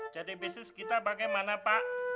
jadi bisnis kita bagaimana pak